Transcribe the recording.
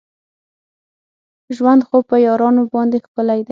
ژوند خو په یارانو باندې ښکلی دی.